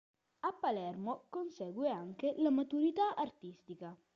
A Palermo consegue anche la maturità artistica.